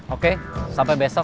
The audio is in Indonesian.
oke sampai besok